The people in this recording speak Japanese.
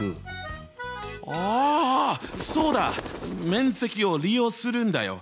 あそうだ！面積を利用するんだよ。